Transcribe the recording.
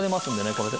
これで。